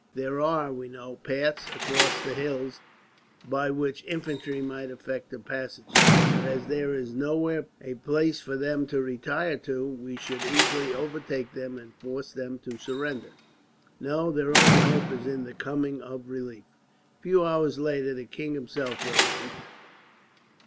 There are, we know, paths across the hills by which infantry might effect a passage; but as there is nowhere a place for them to retire to, we should easily overtake them and force them to surrender. "No, their only hope is in the coming of relief." A few hours later, the king himself rode in.